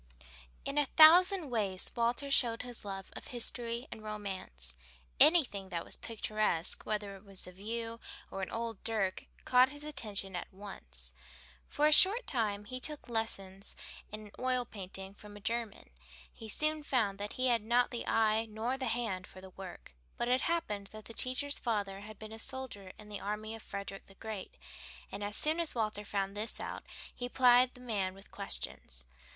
In a thousand ways Walter showed his love of history and romance. Anything that was picturesque, whether it was a view or an old dirk, caught his attention at once. For a short time he took lessons in oil painting from a German. He soon found that he had not the eye nor the hand for the work, but it happened that the teacher's father had been a soldier in the army of Frederick the Great, and as soon as Walter found this out, he plied the man with questions.